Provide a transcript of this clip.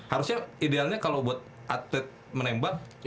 harusnya idealnya kalau buat atlet menembak